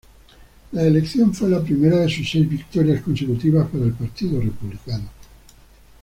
La elección fue la primera de seis victorias consecutivas para el Partido Republicano.